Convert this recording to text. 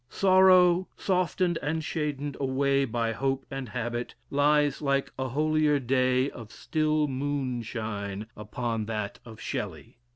Sorrow, softened and shaded away by hope and habit, lies like a 'holier day' of still moonshine upon that of Shelley.